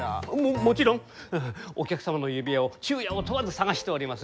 もちろんお客様の指輪を昼夜を問わず探しております。